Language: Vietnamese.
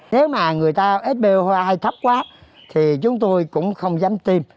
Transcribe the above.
nếu mà người ta spo hay thấp quá thì chúng tôi cũng không dám tìm